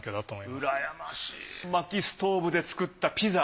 うらやましい薪ストーブで作ったピザ？